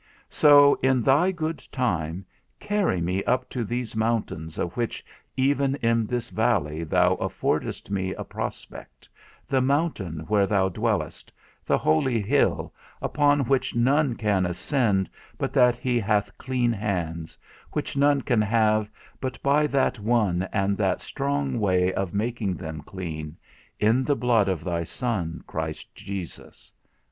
_ so, in thy good time, carry me up to these mountains of which even in this valley thou affordest me a prospect, the mountain where thou dwellest, the holy hill, unto which none can ascend but he that hath clean hands, which none can have but by that one and that strong way of making them clean, in the blood of thy Son Christ Jesus.